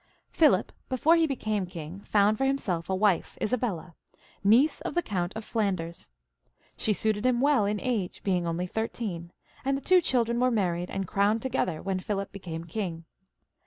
Philip, before he became king, found for himseK a wife, Isabella, niece of the Count of Flanders. She suited him well in age, being only thirteen, and the two children were married and crowned together when Philip became king.